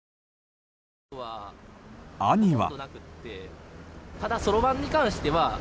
兄は。